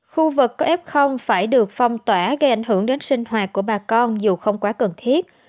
khu vực có f phải được phong tỏa gây ảnh hưởng đến sinh hoạt của bà con dù không quá cần thiết